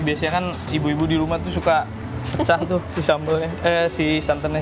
biasanya kan ibu ibu di rumah tuh suka pecah tuh si santannya